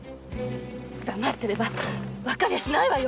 黙ってればわかりゃしないわよ！